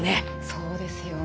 そうですよね。